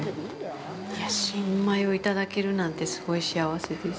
いやぁ、新米をいただけるなんて、すごい幸せです。